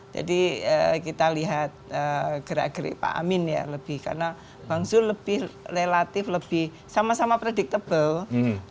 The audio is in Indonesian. jadi kita lihat gerak gerik pak amin ya lebih karena bang zul lebih relatif lebih sama sama predictable